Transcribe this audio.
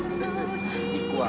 １個は。